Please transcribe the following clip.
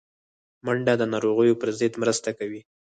منډه د ناروغیو پر ضد مرسته کوي